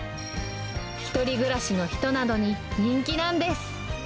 １人暮らしの人などに、人気なんです。